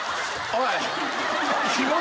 おい。